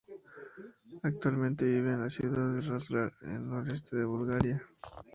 Actualmente vive en la ciudad de Razgrad, al noreste de Bulgaria.